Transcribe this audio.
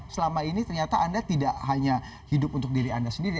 selama ini ternyata anda tidak hanya hidup untuk diri anda sendiri